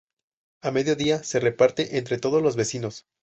A mediodía se reparte entre todos los vecinos.